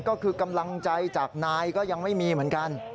ก็คือกำลังใจจากนายก็ยังไม่มีเหมือนกัน